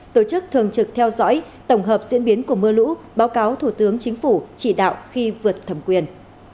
tổ chức thường trực theo dõi tổng hợp diễn biến của mưa lũ báo cáo thủ tướng chính phủ chỉ đạo khi vượt thẩm quyền